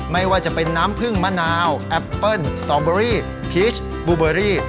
ไม่ว่าจะเป็นน้ำผึ้งมะนาวแอปเปิ้ลสตอเบอรี่พีชบูเบอรี่